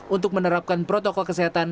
untuk menerapkan protokol kesehatan